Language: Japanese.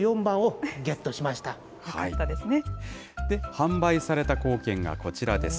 販売された硬券がこちらです。